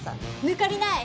抜かりない！